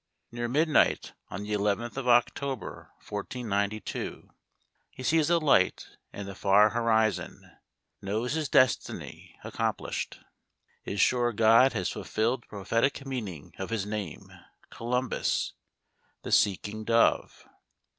Near midnight on the eleventh of October, 1492, he sees alight in the far hori zon, knows his destiny accomplished, is sure God has fulfilled the prophetic meaning of his name — Cohimbus, the seeking dove.